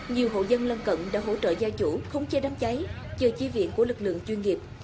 nhiều hộ dân lân cận đã hỗ trợ gia chủ khống chế đám cháy chờ chi viện của lực lượng chuyên nghiệp